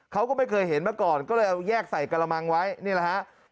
เขาก็ไม่เคยเห็นมาก่อนก็เลยเอาแยกใส่กระมังไว้นี่แหละฮะ